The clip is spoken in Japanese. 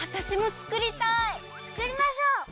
つくりましょう！